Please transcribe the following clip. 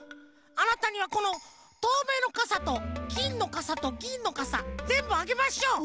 あなたにはこのとうめいのかさときんのかさとぎんのかさぜんぶあげましょう！